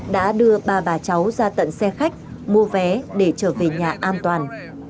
đã đưa bà và cháu ra tận xe khách mua vé để trở về nhà an toàn